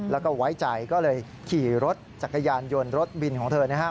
แล้วก็ไว้ใจก็เลยขี่รถจักรยานยนต์รถบินของเธอนะฮะ